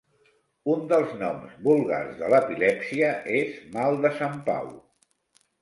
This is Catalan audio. Un dels noms vulgars de l'epilèpsia és "mal de Sant Pau".